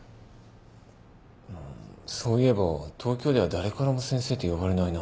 そういえば東京では誰からも先生って呼ばれないな。